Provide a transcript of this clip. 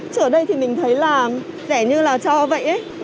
chứ ở đây thì mình thấy là rẻ như là cho vậy